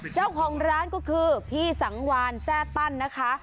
เจ้าของร้านก็คือพี่สังวานแซ่ตั้นนะคะ